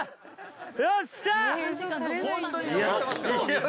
よっしゃ！